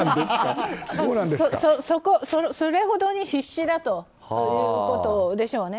それほどに必死だということでしょうね。